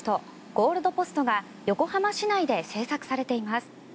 ゴールドポストが横浜市内で制作されています。